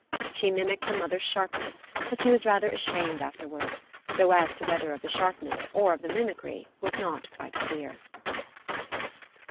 She mimicked her mother's sharpness, but she was rather ashamed afterwards, though as to whether of the sharpness or of the mimicry was not quite clear.